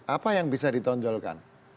apa yang bisa ditonjolkan